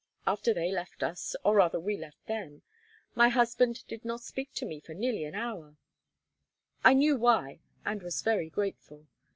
After they left us, or rather we left them, my husband did not speak to me for nearly an hour: I knew why, and was very grateful.